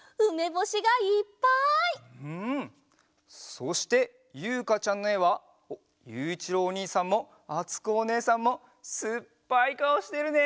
そしてゆうかちゃんのえはゆういちろうおにいさんもあつこおねえさんもすっぱいかおしてるね！